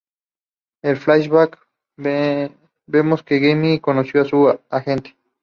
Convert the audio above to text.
En flashbacks, vemos cómo Ginny conoció a su agente.